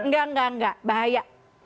enggak enggak enggak bahaya